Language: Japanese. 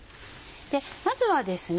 まずはですね